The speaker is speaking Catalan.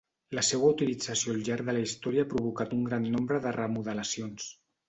La seua utilització al llarg de la història ha provocat un gran nombre de remodelacions.